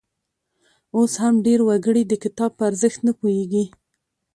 اوس هم ډېر وګړي د کتاب په ارزښت نه پوهیږي.